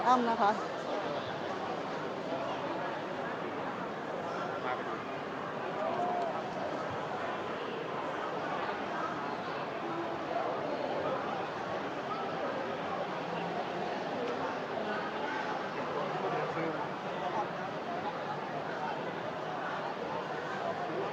สวัสดีครับ